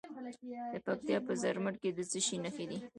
د پکتیا په زرمت کې د څه شي نښې دي؟